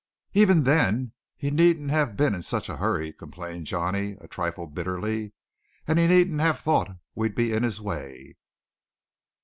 "Even then he needn't have been in such a hurry," complained Johnny a trifle bitterly. "And he needn't have thought we'd be in his way."